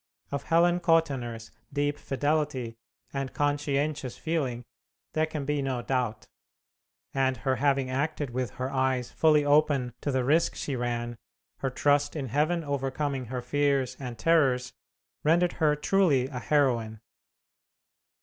Of Helen Kottenner's deep fidelity and conscientious feeling there can be no doubt, and her having acted with her eyes fully open to the risk she ran, her trust in Heaven overcoming her fears and terrors, rendered her truly a heroine.